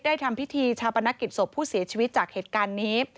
ทำพิธีชาปนกิจศพผู้เสียชีวิตจากเหตุการณ์นี้